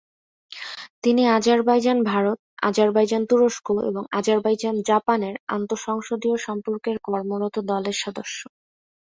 তিনি আজারবাইজান-ভারত, আজারবাইজান-তুরস্ক এবং আজারবাইজান-জাপানের আন্তঃ সংসদীয় সম্পর্কের কর্মরত দলের সদস্য।